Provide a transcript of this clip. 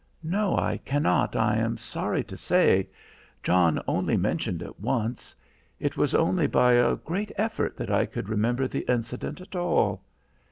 "No, I cannot, I am sorry to say. John only mentioned it once. It was only by a great effort that I could remember the incident at all."